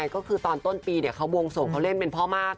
ก็คือตอนต้นปีบวงสวงเล่นเป็นเพราะมาส